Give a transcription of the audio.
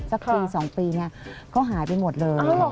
สักปี๒ปีเนี่ยเขาหายไปหมดเลย